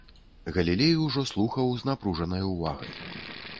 Галілей ужо слухаў з напружанай увагай.